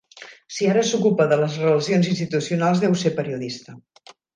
Si ara s'ocupa de les relacions institucionals deu ser periodista.